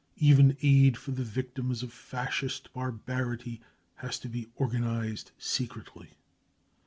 Even aid for the victims of Fascist barbarity has to be organised secretly.